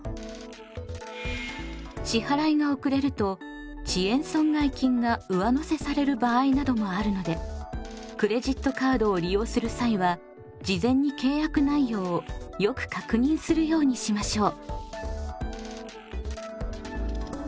支払いが遅れると遅延損害金が上乗せされる場合などもあるのでクレジットカードを利用する際は事前に契約内容をよく確認するようにしましょう。